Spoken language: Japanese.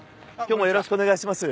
よろしくお願いします。